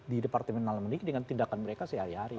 di departemen dalam negeri dengan tindakan mereka sehari hari